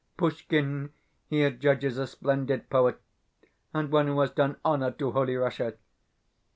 Pushkin he adjudges a splendid poet, and one who has done honour to Holy Russia.